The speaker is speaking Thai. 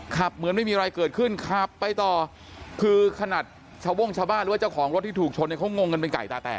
เหมือนไม่มีอะไรเกิดขึ้นขับไปต่อคือขนาดชาวโม่งชาวบ้านหรือว่าเจ้าของรถที่ถูกชนเนี่ยเขางงกันเป็นไก่ตาแตก